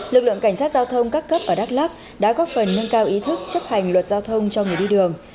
lực lượng cảnh sát giao thông các cấp ở đắk lắk đã góp phần nâng cao ý thức chấp hành luật giao thông cho người đi đường